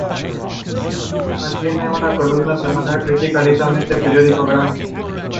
The family spent their summers in Nettuno.